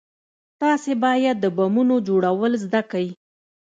تاسې بايد د بمونو جوړول زده کئ.